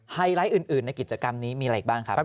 ไลท์อื่นในกิจกรรมนี้มีอะไรอีกบ้างครับ